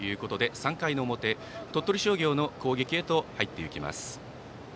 ３回の表、鳥取商業の攻撃へと入っていきます。